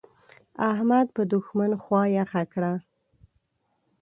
احمد په دوښمن خوا يخه کړه.